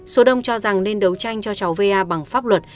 số đông cho rằng nên đấu tranh cho cháu va bằng pháp luật